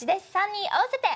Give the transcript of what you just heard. ３人合わせて。